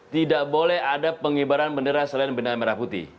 tidak boleh ada pengibaran bendera selain bendera merah putih